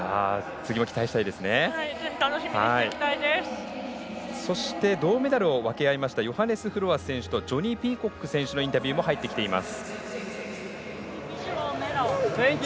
ぜひそして銅メダルを分け合いましたヨハネス・フロアス選手とジョニー・ピーコック選手のインタビューも入ってきています。